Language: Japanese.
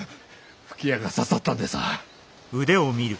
吹き矢が刺さったんでさあ。